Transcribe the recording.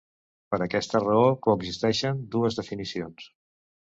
Per aquesta raó coexisteixen dues definicions.